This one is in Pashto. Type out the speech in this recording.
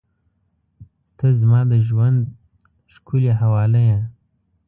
• ته زما د ژونده ښکلي حواله یې.